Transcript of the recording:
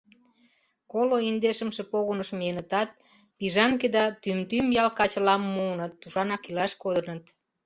Коло индешымше Погыныш миенытат, Пижанке да Тӱм-Тӱм ял качылам муыныт, тушанак илаш кодыныт.